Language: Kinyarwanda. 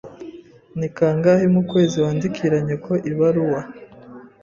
Ni kangahe mu kwezi wandikira nyoko ibaruwa.